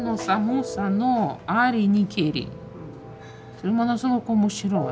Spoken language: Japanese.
これものすごく面白い。